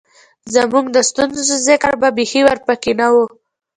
زمونږ د ستونزو ذکــــــر به بېخي ورپکښې نۀ وۀ